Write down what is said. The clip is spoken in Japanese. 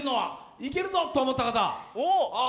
いけるぞと思った方は？